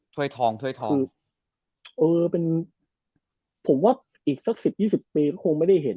ถ้อยทองถ้วยทองคือเออเป็นผมว่าอีกสักสิบยี่สิบปีก็คงไม่ได้เห็น